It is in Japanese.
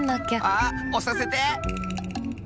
あっおさせて！